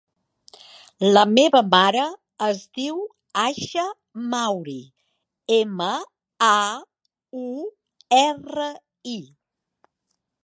La meva mare es diu Aisha Mauri: ema, a, u, erra, i.